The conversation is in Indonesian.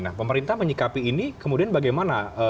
nah pemerintah menyikapi ini kemudian bagaimana